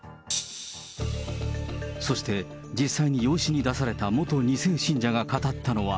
そして、実際に養子に出された元２世信者が語ったのは。